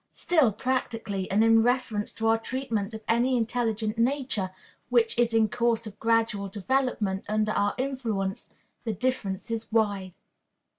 Still, practically, and in reference to our treatment of any intelligent nature which is in course of gradual development under our influence, the difference is wide.